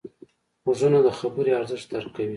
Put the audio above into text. غوږونه د خبرې ارزښت درک کوي